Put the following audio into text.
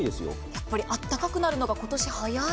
やっぱり暖かくなるのが今年は早い。